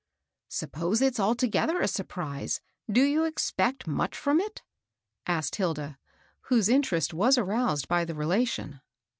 " Suppose it's altogether a surprise, do you ex pect much from it ?" asked Hilda, whose interest was aroused by the relation.